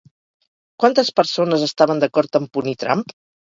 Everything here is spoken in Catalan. Quantes persones estaven d'acord amb punir Trump?